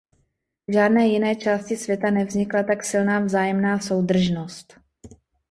V žádné jiné části světa nevznikla tak silná vzájemná soudržnost.